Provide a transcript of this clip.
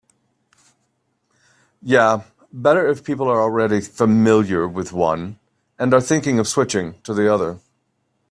Yeah, better if people are already familiar with one and are thinking of switching to the other.